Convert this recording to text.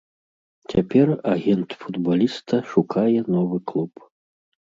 Цяпер агент футбаліста шукае новы клуб.